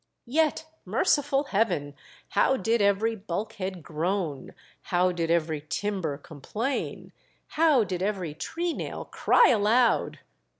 Yet, merciful Heaven ! how did every bulkhead groan, how did every timber complain, how did every treenail cry aloud